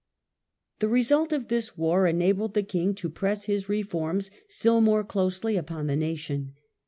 The result of this war enabled the king to press his reforms still more closely upon the nation.